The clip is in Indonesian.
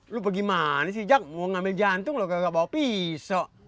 lu bagaimana sih jak mau ngambil jantung lo gak bawa pisau